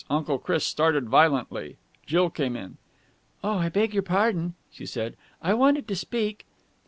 Uncle Chris started violently. Jill came in. "Oh, I beg your pardon," she said. "I wanted to speak...."